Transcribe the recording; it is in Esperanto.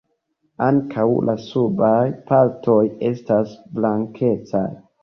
Ankaŭ la subaj partoj estas blankecaj.